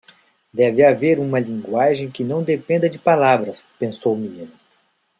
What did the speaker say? Deve haver uma linguagem que não dependa de palavras, pensou o menino.